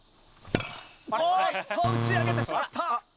おっと打ち上げてしまった。